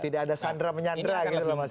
tidak ada sandra menyandra gitu loh mas